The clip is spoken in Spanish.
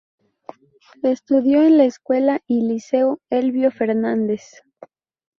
Estudió en la Escuela y Liceo Elbio Fernández.